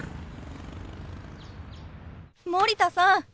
森田さん